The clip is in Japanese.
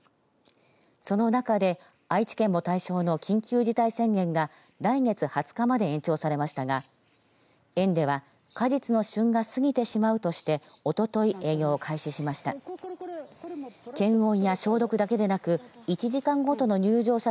その中で、愛知県も対象の緊急事態宣言が来月２０日まで延長されましたが園では、果実の旬が過ぎてしまうとしておととい、営業を開始しました。